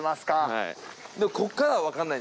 はい。